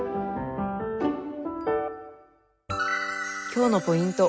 今日のポイント